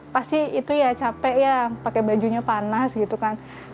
pasti itu ya capek ya pakai bajunya panas gitu kan